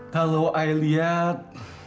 kalau i liat